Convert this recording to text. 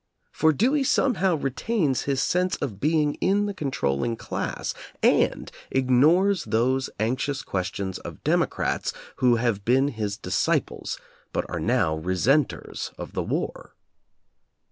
For Dewey somehow retains his sense of being in the control ling class, and ignores those anxious questions of democrats who have been his disciples but are now resenters of the war.